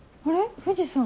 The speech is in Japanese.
藤さん